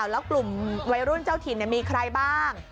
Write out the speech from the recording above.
แล้วกลุ่มวัยรุ่นเจ้าถิ่นมีใครบ้าง